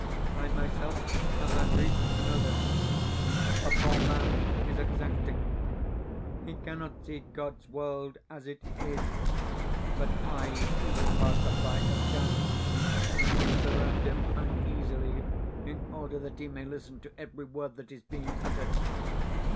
I myself have had reason to know this. The poor man is exacting. He cannot see God's world as it is, but eyes each passer by askance, and looks around him uneasily in order that he may listen to every word that is being uttered.